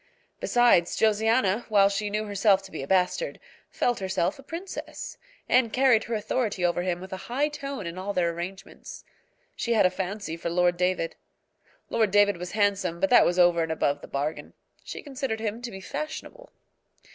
Besides, Josiana, while she knew herself to be a bastard, felt herself a princess, and carried her authority over him with a high tone in all their arrangements. She had a fancy for Lord David. Lord David was handsome, but that was over and above the bargain. She considered him to be fashionable.